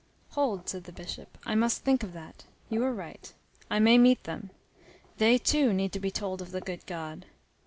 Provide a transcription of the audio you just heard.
"Hold," said the Bishop, "I must think of that. You are right. I may meet them. They, too, need to be told of the good God."